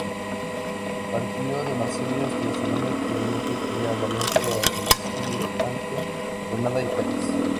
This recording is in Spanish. Partió de Marsella hasta Barcelona y, posteriormente, fue a Valencia, Alicante, Granada y Cádiz.